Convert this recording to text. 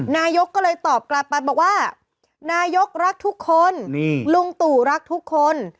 นายกก็เลยตอบกลับไปบอกว่านายกรักทุกคนลุงตู่รักทุกคน